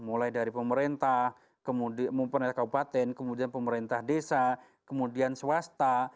mulai dari pemerintah kemudian pemerintah kabupaten kemudian pemerintah desa kemudian swasta